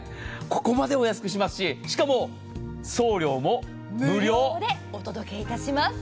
ここまでお安くしますし、しかも無料でお届けいたします。